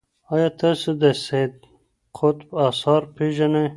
ایا تاسو د سید قطب اثار پیژنئ؟